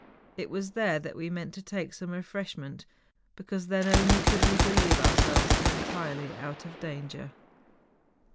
It was there that we meant to take some refreshment, because then only could we believe ourselves entirely out of danger.